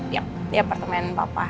iya apartemen papa